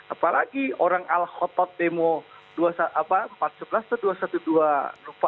apalagi orang al khotot demo empat sebelas atau dua ratus dua belas